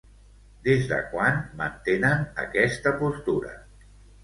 Des de quan mantenen aquesta postura?